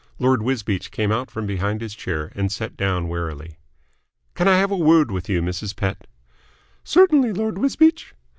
Lord Wisbeach came out from behind his chair and sat down warily. "Can I have a word with you, Mrs. Pett?" "Certainly, Lord Wisbeach."